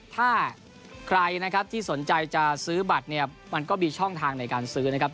ถ้าใครนะครับที่สนใจจะซื้อบัตรเนี่ยมันก็มีช่องทางในการซื้อนะครับ